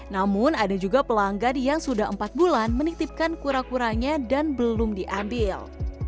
namun ada juga pelanggan yang sudah empat bulan menitipkan kura kuranya dan belum diambil